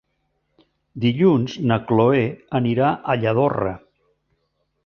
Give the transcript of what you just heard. Dilluns na Cloè anirà a Lladorre.